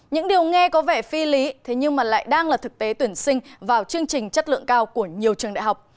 những điều nghe có vẻ phi lý thế nhưng lại đang là thực tế tuyển sinh vào chương trình chất lượng cao của nhiều trường đại học